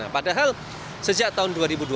padahal sejak tahun dua ribu dua puluh